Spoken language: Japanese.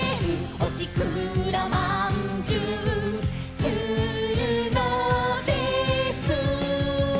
「おしくらまんじゅうするのです」